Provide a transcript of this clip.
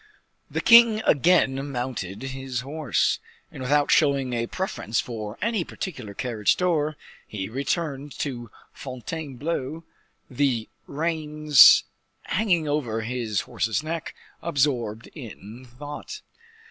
The king again mounted his horse, and without showing a preference for any particular carriage door, he returned to Fontainebleau, the reins hanging over his horse's neck, absorbed in thought.